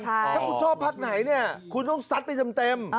ถ้าคุณชอบพักไหนเนี่ยคุณต้องซัดไปเต็ม